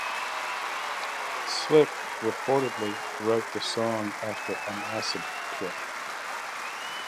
Slick reportedly wrote the song after an acid trip.